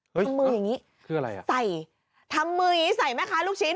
ทำมืออย่างนี้ใส่ทำมืออย่างนี้ใส่ไหมคะลูกชิ้น